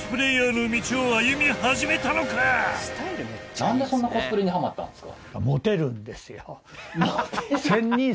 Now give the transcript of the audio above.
何でそんなコスプレにハマったんですか？